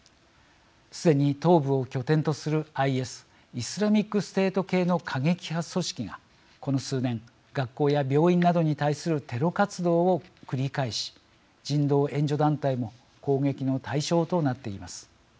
すでに東部を拠点とするＩＳイスラミックステート系の過激派組織がこの数年学校や病院などに対するテロ活動を繰り返し人道援助団体も攻撃の対象となっています。